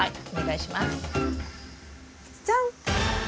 はい。